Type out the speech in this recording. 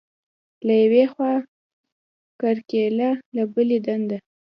له یوې خوا کرکیله، له بلې دنده.